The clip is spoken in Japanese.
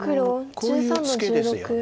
こういうツケですよね。